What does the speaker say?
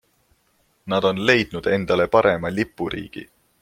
Nad on leidnud endale parema lipuriigi.